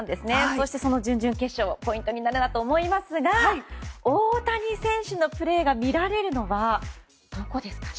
そして準々決勝ポイントになると思いますが大谷選手のプレーが見られるのは、どこですかね。